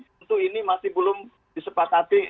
tentu ini masih belum disepakati